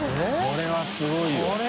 これはすごいな。